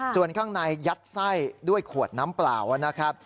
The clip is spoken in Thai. ส่วนข้างในยัดไส้ด้วยขวดน้ำเปล่านะครับ